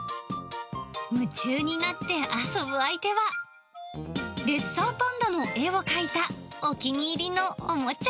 夢中になって遊ぶ相手は、レッサーパンダの絵を描いたお気に入りのおもちゃ。